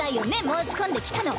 申し込んできたの！